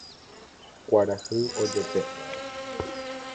Kuarahy ojope